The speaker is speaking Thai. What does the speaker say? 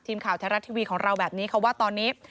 ทีมข่าวทะเลาะทีวีของเราแบบนี้เขาว่าตอนนี้